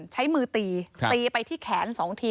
ใช้มือตีตีไปที่แขน๒ที